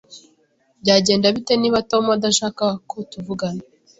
Byagenda bite niba Tom adashaka ko tuvugana?